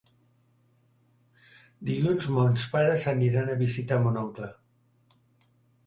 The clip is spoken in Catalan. Dilluns mons pares aniran a visitar mon oncle.